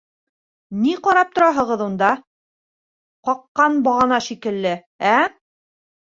Ни ҡарап тораһығыҙ унда, ҡаҡҡан бағана шикелле, ә?!